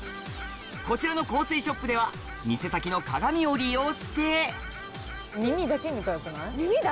こちらの香水ショップでは店先の鏡を利用して耳だけにがよくない？